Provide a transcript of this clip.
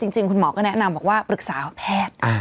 จริงคุณหมอก็แนะนำบอกว่าปรึกษาแพทย์